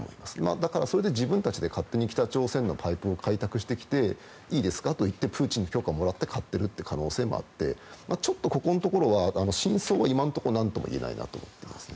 だから、それで自分たちで勝手に北朝鮮のパイプを開拓してきていいですかと言ってプーチンに許可をもらって買ってる可能性もあってちょっとここのところは真相は今のところは何とも言えないなと思っていますね。